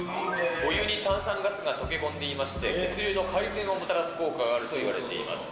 お湯に炭酸ガスが溶け込んでいまして、血流の改善をもたらす効果があるといわれています。